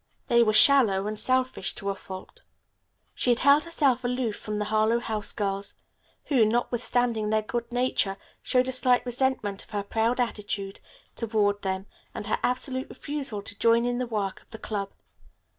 They were shallow and selfish to a fault. She had held herself aloof from the Harlowe House girls, who, notwithstanding their good nature, showed a slight resentment of her proud attitude toward them and her absolute refusal to join in the work of the club.